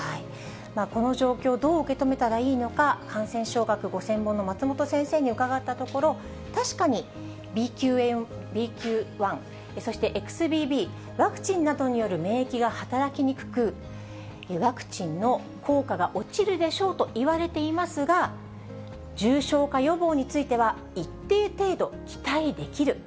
この状況、どう受け止めたらいいのか、感染症学ご専門の松本先生に伺ったところ、確かにＢＱ．１、そしてＸＢＢ、ワクチンなどによる免疫が働きにくく、ワクチンの効果が落ちるでしょうといわれていますが、重症化予防については、一定程度、期待できる。